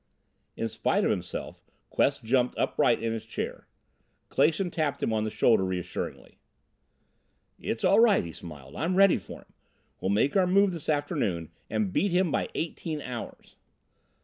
In spite of himself, Quest jumped upright in his chair. Clason tapped him on the shoulder reassuringly. "It's all right," he smiled, "I'm ready for him. We'll make our move this afternoon and beat him by eighteen hours.